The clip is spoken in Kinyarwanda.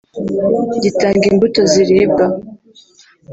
gitanga imbuto ziribwa